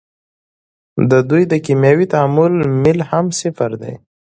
د دوی د کیمیاوي تعامل میل هم صفر دی.